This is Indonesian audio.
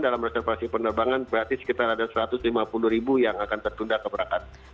dalam reservasi penerbangan berarti sekitar ada satu ratus lima puluh ribu yang akan tertunda keberangkatan